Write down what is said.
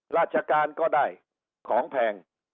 ราชการก็ได้ของแพง